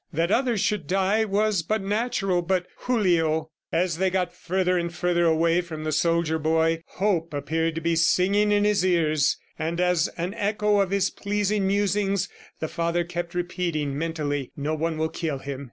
That others should die was but natural, but Julio! ... As they got further and further away from the soldier boy, Hope appeared to be singing in his ears; and as an echo of his pleasing musings, the father kept repeating mentally: "No one will kill him.